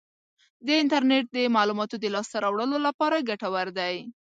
د انټرنیټ د معلوماتو د لاسته راوړلو لپاره ګټور دی.